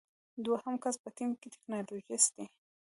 دوهم کس په ټیم کې ټیکنالوژیست دی.